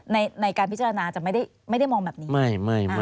ในการพิจารณาจะไม่ได้มองแบบนี้